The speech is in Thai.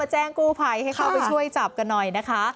แจ้งกู้ภัยให้เข้าไปช่วยจับกันหน่อยนะคะ